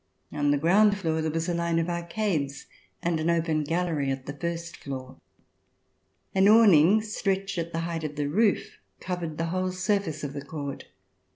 On the ground floor there was a line of arcades and an open gallery at the first floor. An awning stretched at the height of the roof covered the whole surface of the court.